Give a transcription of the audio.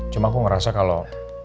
cuma aku ngerasa kalau